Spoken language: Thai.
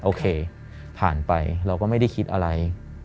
โอเคผ่านไปเราก็ไม่ได้คิดอะไร